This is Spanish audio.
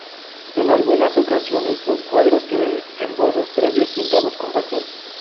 En algunas ocasiones los cuadros tienen esbozos previos pintados con pastel.